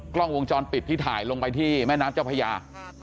กล้องวงจรปิดที่ถ่ายลงไปที่แม่น้ำเจ้าพญา